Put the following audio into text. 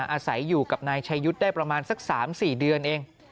อาศัยอยู่กับนายชายุทธ์ได้ประมาณสัก๓๔เดือนเอง